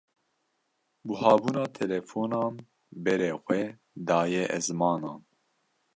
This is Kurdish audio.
Buhabûna telefonan berê xwe daye ezmanan.